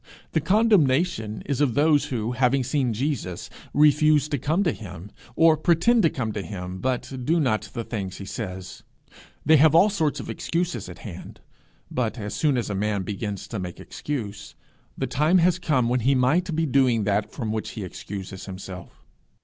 The condemnation is of those who, having seen Jesus, refuse to come to him, or pretend to come to him but do not the things he says. They have all sorts of excuses at hand; but as soon as a man begins to make excuse, the time has come when he might be doing that from which he excuses himself.